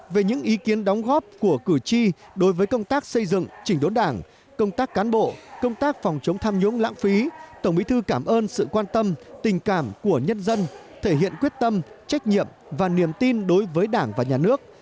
về những ý kiến đóng góp của cử tri đối với công tác xây dựng chỉnh đốn đảng công tác cán bộ công tác phòng chống tham nhũng lãng phí tổng bí thư cảm ơn sự quan tâm tình cảm của nhân dân thể hiện quyết tâm trách nhiệm và niềm tin đối với đảng và nhà nước